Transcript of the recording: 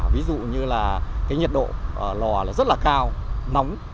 ví dụ như là cái nhiệt độ lò là rất là cao nóng